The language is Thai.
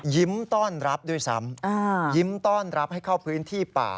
ยิ้มต้อนรับด้วยซ้ำยิ้มต้อนรับให้เข้าพื้นที่ป่า